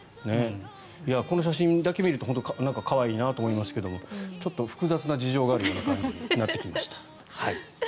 この写真だけ見ると可愛いなと思いますけどちょっと複雑な事情がある感じになってきました。